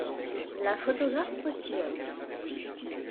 La photographe postillonne.